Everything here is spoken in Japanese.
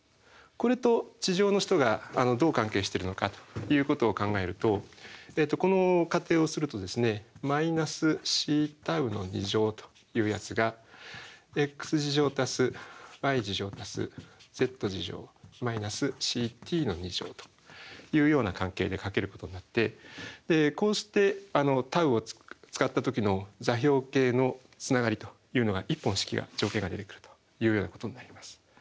これと地上の人がどう関係してるのかということを考えるとこの仮定をするとというような関係で書けることになってこうしてτを使った時の座標系のつながりというのが１本式が条件が出てくるというようなことになります。